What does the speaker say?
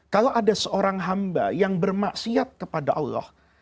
kalau ada seorang hamba yang bermaksiat kepada allah